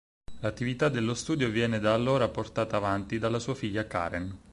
L'attività dello studio viene da allora portata avanti da sua figlia Karen.